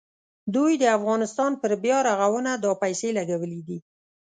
دوی د افغانستان پر بیارغونه دا پیسې لګولې دي.